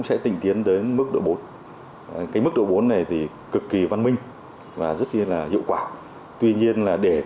giai đoạn hai nghìn một mươi năm hai nghìn hai mươi